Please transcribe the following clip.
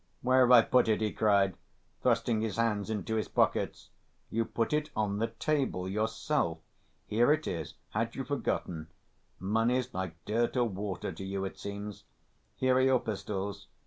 Where have I put it?" he cried, thrusting his hands into his pockets. "You put it on the table ... yourself.... Here it is. Had you forgotten? Money's like dirt or water to you, it seems. Here are your pistols.